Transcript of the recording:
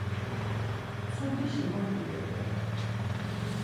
Mtsudişişi mot iboder.